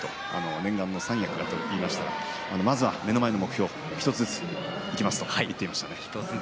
念願の三役だと言いましたらまずは目の前の目標を１つずついきますと言っていました。